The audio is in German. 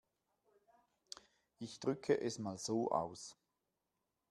Ich drücke es mal so aus.